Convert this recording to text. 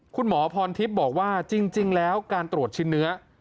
คุณหมอพรทิพย์บอกว่าจริงแล้วการตรวจชิ้นเนื้อ